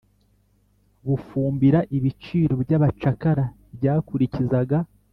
Bufumbira Ibiciro by abacakara byakurikizaga